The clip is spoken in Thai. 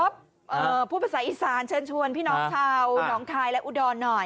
อืมพูดภาษาอีสานเชิญชวนพี่น้องเท่าอน้องคายและอุดร